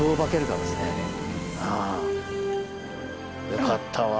よかったわ